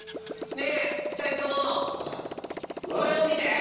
ねえふたりともこれをみて。